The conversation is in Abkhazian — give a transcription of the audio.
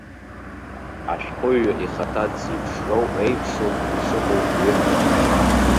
Ашәҟәыҩҩы ихаҭа дзеиԥшроу еиԥшоуп ишыҟоу иҩымҭақәагьы.